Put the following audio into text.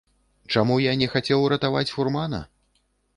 Чаму я не хацеў ратаваць фурмана?